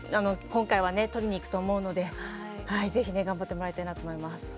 今回はね取りに行くと思うので是非ね頑張ってもらいたいなと思います。